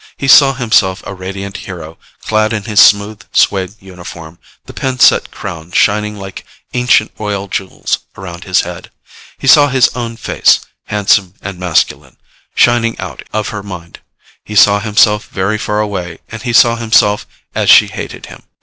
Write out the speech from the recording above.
He saw himself a radiant hero, clad in his smooth suede uniform, the pin set crown shining like ancient royal jewels around his head. He saw his own face, handsome and masculine, shining out of her mind. He saw himself very far away and he saw himself as she hated him.